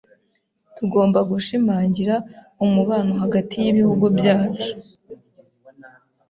Tugomba gushimangira umubano hagati y’ibihugu byacu.